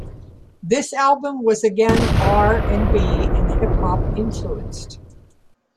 This album was again R and B and Hip Hop influenced.